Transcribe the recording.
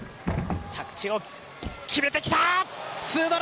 着地を決めてきた。